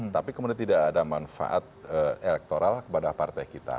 tapi kemudian tidak ada manfaat elektoral kepada partai kita